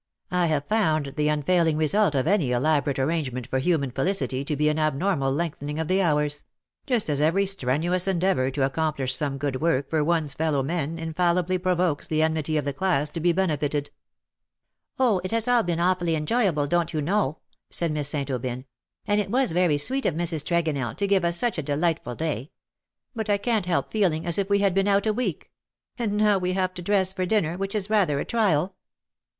I have found the unfailing result of any elaborate arrangement for human felicity to be an abnormal lengthening of the hours ; just as every strenuous endeavour to accomplish some good work for one's fellow men infallibly provokes the enmity of the class to be benefited.'^ VOL. III. X 242 '^ LOVE BORE SUCH BITTER " Oh^ it has all been awfully enjoyable, don't you know/^ said Miss St. Aubyn ;^' and it was very sweet of Mrs. Tregonell to give ns such a delightful day ; but I canH help feeling as if we had been out a week. And now we have to dress for dinner, which is rather a trial."